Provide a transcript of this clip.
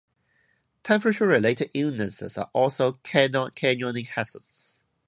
Temperature related illnesses are also canyoning hazards.